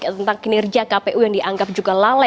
tentang kinerja kpu yang dianggap juga lalai